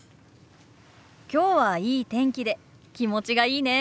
今日はいい天気で気持ちがいいね！